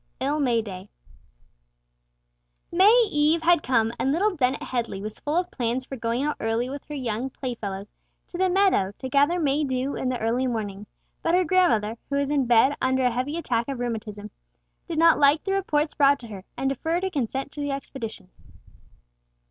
Ill May Day. May Eve had come, and little Dennet Headley was full of plans for going out early with her young playfellows to the meadow to gather May dew in the early morning, but her grandmother, who was in bed under a heavy attack of rheumatism, did not like the reports brought to her, and deferred her consent to the expedition.